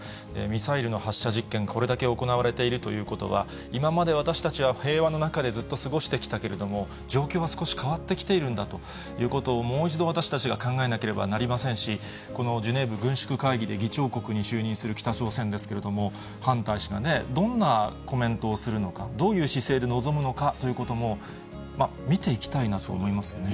ミサイルの発射実験、これだけ行われているということは、今まで私たちは平和の中でずっと過ごしてきたけれども、状況が少し変わってきているんだということを、もう一度私たちが考えなければなりませんし、このジュネーブ軍縮会議で議長国に就任する北朝鮮ですけれども、大使がどんなコメントをするのか、どういう姿勢で臨むのかということも、見ていきたいなと思いますね。